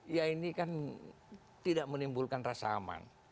ya ini kan tidak menimbulkan rasa aman